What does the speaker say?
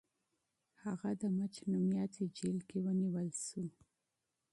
هغه د مچ مشهور جیل کې ونیول شو.